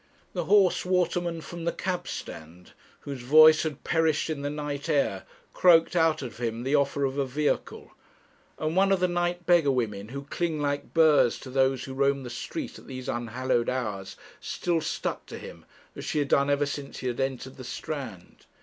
The hoarse waterman from the cabstand, whose voice had perished in the night air, croaked out at him the offer of a vehicle; and one of the night beggar women who cling like burrs to those who roam the street a these unhallowed hours still stuck to him, as she had done ever since he had entered the Strand.